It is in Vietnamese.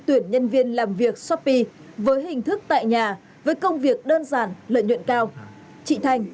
tuyển nhân viên làm việc shopee với hình thức tại nhà với công việc đơn giản lợi nhuận cao chị thành